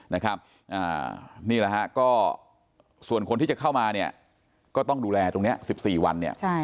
นี่แหละก็ส่วนคนที่จะเข้ามาก็ต้องดูแลตรงนี้๑๔วัน